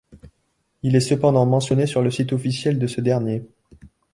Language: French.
Il est cependant mentionné sur le site officiel de ce dernier.